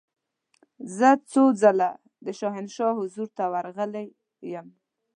زه څو ځله د شاهنشاه حضور ته ورغلې یم.